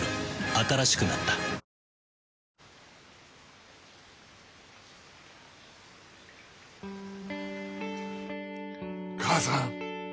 新しくなった母さん